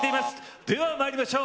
ではまいりましょう。